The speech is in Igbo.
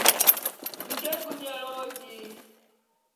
nke gụnyere ohi